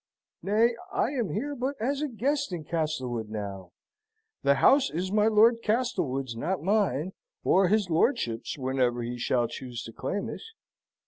"Nay, I am here but as a guest in Castlewood now. The house is my Lord Castlewood's, not mine, or his lordship's whenever he shall choose to claim it.